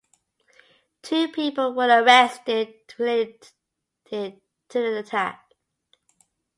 Two people were arrested related to the attack.